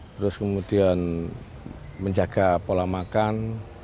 terus kemudian menjaga pola makan